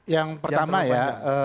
yang pertama ya